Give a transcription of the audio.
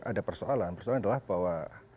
ada persoalan persoalan adalah bahwa